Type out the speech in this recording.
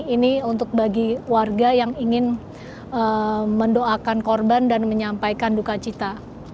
ini untuk bagi warga yang ingin mendoakan korban dan menyampaikan duka cita